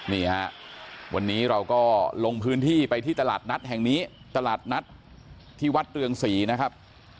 นี่ฮะวันนี้เราก็ลงพื้นที่ไปที่ตลาดนัดแห่งนี้ตลาดนัดที่วัดเรืองศรีนะครับ